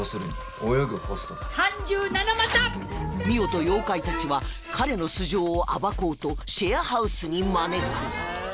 澪と妖怪たちは彼の素性を暴こうとシェアハウスに招く